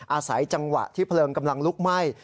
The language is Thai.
อาศัยจังหวะที่เพลิงกำลังลุกไหม้